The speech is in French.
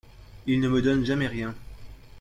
Il ne me donne jamais rien.